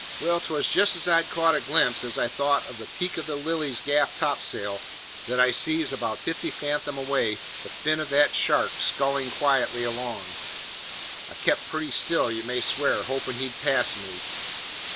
"Well, 'twas just as I'd caught a glimpse, as I thought, of the peak of the Lily's gaff topsail, that I sees, about fifty fathom away, the fin of that shark scullin' quietly along. I kept pretty still, you may swear, hoping he'd pass me.